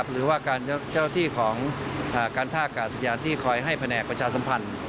หรือว่าการเจ้าที่ของการท่ากาศยานที่คอยให้แผนกประชาสัมพันธ์